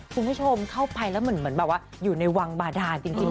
คุณผู้ชมเข้าไปแล้วเหมือนอยู่ในวังบาดาจริงเลยนะ